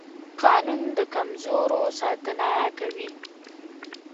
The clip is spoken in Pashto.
قانون د کمزورو ساتنه کوي